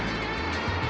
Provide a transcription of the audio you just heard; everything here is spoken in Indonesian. jangan makan aku